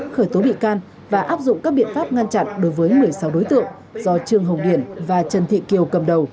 khởi tố bị can và áp dụng các biện pháp ngăn chặn đối với một mươi sáu đối tượng do trương hồng điển và trần thị kiều cầm đầu